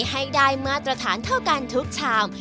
ให้ได้มาตรฐานเท่ากันทุกชาม